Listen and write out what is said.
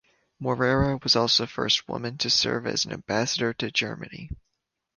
Morera was also the first woman to serve as Ambassador to Germany.